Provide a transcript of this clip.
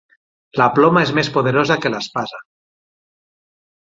La ploma és més poderosa que l'espasa.